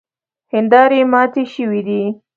هیندارې ماتې شوې دي.